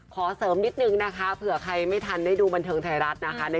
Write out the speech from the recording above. ขอเสริมนิดนึงนะคะเผื่อใครไม่ทันได้ดูบันเทิงไทยรัฐนะคะ